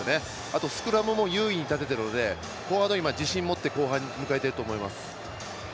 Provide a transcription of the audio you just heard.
あと、スクラムも優位に立てているのでフォワード自信を持って後半を迎えていると思います。